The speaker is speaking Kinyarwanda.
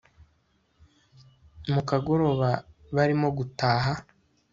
mukagoroba barimo gutaha